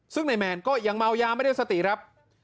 ซึ่งนายแมนก็ยังเมายาไม่ได้สติครับ